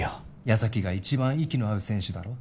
矢崎が一番息の合う選手だろ